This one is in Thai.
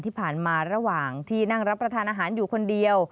ที่ผ่านมาระหว่างที่นั่งรับประทานอาหารอยู่คนเดียว